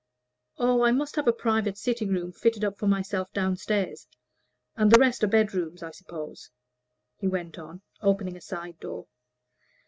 "Oh, I must have a private sitting room fitted up for myself down stairs. And the rest are bedrooms, I suppose," he went on, opening a side door.